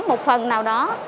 một phần nào đó